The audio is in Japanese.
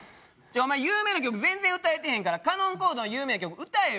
有名な曲全然歌えてへんからカノンコードの有名な曲歌えよ！